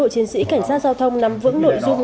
chiến sĩ cảnh sát giao thông nắm vững nội dung